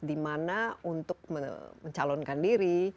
di mana untuk mencalonkan diri